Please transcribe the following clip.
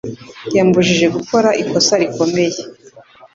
Yambujije gukora ikosa rikomeye.